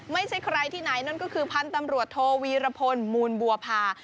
ไม่ใช่ใครที่ไหนนั่นก็คือพันธุ์ตำรวจโทวีรพลมูลบัวพา